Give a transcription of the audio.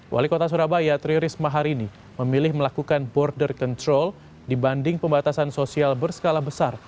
wali kota surabaya tri risma hari ini memilih melakukan border control dibanding pembatasan sosial berskala besar